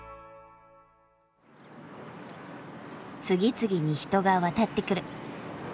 次々に人が渡ってくる。